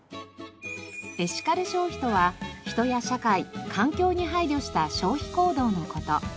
エシカル消費とは人や社会環境に配慮した消費行動の事。